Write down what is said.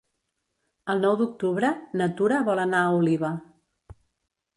El nou d'octubre na Tura vol anar a Oliva.